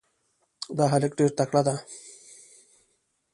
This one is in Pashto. دا هلک ډېر تکړه ده.